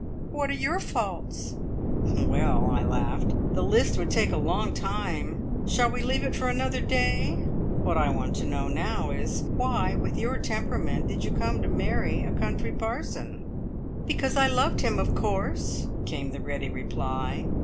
"What are your faults?" "Well," I laughed, "the list would take a long time! Shall we leave it for another day? What I want to know now is, why, with your temperament, did you come to marry a country parson?" "Because I loved him, of course," came the ready reply.